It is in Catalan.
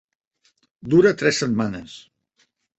Dura tres setmanes.